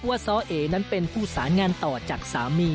ซ้อเอนั้นเป็นผู้สารงานต่อจากสามี